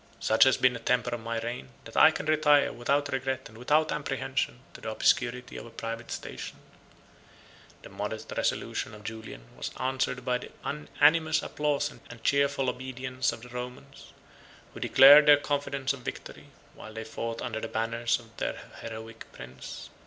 Such has been the temper of my reign, that I can retire, without regret, and without apprehension, to the obscurity of a private station" 63 The modest resolution of Julian was answered by the unanimous applause and cheerful obedience of the Romans, who declared their confidence of victory, while they fought under the banners of their heroic prince.